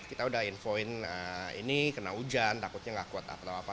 kita udah infoin ini kena hujan takutnya gak kuat apa apa